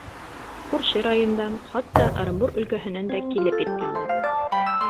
Күрше райондан, хатта Ырымбур өлкәһенән дә килеп еткәндәр.